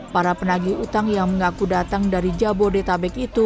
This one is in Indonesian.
para penagih utang yang mengaku datang dari jabodetabek itu